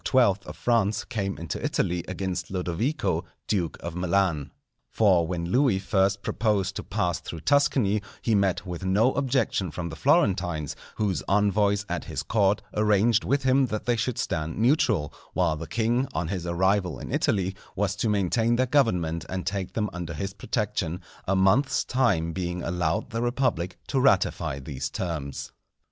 of France came into Italy against Lodovico, duke of Milan. For when Louis first proposed to pass through Tuscany he met with no objection from the Florentines, whose envoys at his court arranged with him that they should stand neutral, while the king, on his arrival in Italy, was to maintain their government and take them under his protection; a month's time being allowed the republic to ratify these terms.